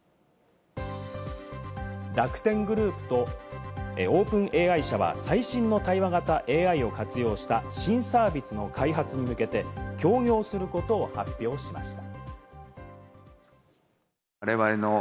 楽天グループとオープンＡＩ社は最新の対話型ＡＩを活用した新サービスの開発に向けて協業することを発表しました。